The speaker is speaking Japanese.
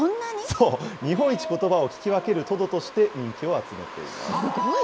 そう、日本一ことばを聞き分けるトドとして、人気を集めていすごい。